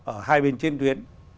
ở hai bên chiến tuyến